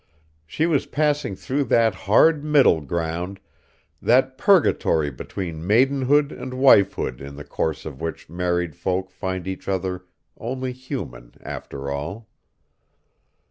She was passing through that hard middle ground, that purgatory between maidenhood and wifehood in the course of which married folk find each other only human, after all.